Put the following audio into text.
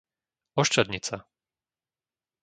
Oščadnica